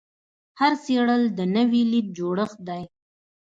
هر څیرل د نوې لید جوړښت دی.